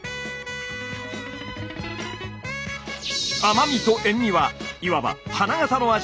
甘味と塩味はいわば花形の味。